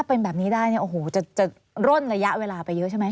อาจารย์จะร่นระยะเวลาไปเยอะใช่ไหม